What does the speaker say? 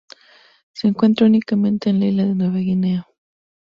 Se encuentra únicamente en la isla de Nueva Guinea.